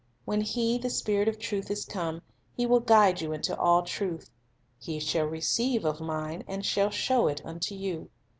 "When 1 le, the Spirit of truth, is come, He will guide you into all truth. ... He shall receive of Mine, and shall show it unto you."